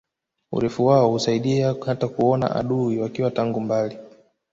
Urefu wao husaidia hata kuona adui wakiwa tangu mbali